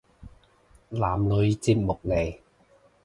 男女節目嚟